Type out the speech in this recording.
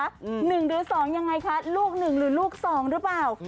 ๑หรือ๒ยังไงคะลูก๑หรือลูก๒หรือเปล่า